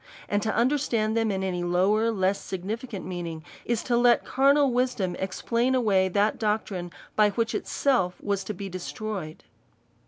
And to un derstand them in any lower, less significant meaning, is to let carnal wisdom explain away that doctrine, by which itself was to be destroyed.